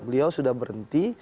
beliau sudah berhenti